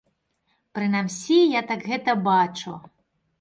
Прынамсі я так гэта бачу.